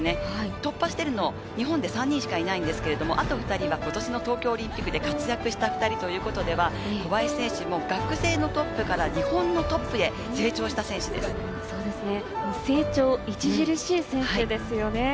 突破しているのは日本で３人しかいないんですが、あと２人は今年の東京オリンピックで活躍した２人ということで小林選手は学生のトップから日本のトッ成長著しい選手ですよね。